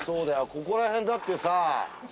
ここら辺だってさ。